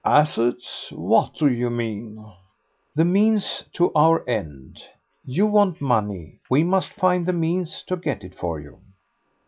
"Assets? What do you mean?" "The means to our end. You want money; we must find the means to get it for you."